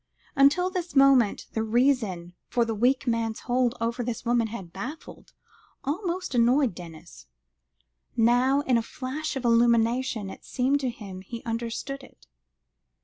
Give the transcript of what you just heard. Until this moment the reason for the weak man's hold over this woman had baffled, almost annoyed, Denis. Now, in a flash of illumination, it seemed to him he understood it.